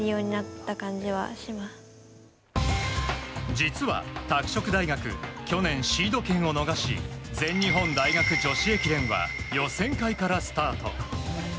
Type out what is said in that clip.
実は、拓殖大学去年シード権を逃し全日本大学女子駅伝は予選会からスタート。